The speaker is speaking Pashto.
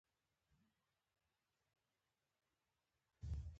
د ذهني فشار کمول د بدن قوت زیاتوي.